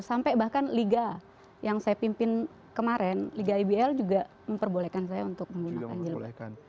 sampai bahkan liga yang saya pimpin kemarin liga ibl juga memperbolehkan saya untuk menggunakan jilbab